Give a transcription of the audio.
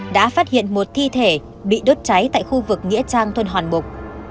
đã phát hiện một thi thể bị đốt cháy tại khu vực nghĩa trang thôn hòn bục